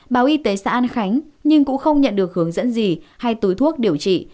báo y tế xã an khánh nhưng cũng không nhận được hướng dẫn gì hay túi thuốc điều trị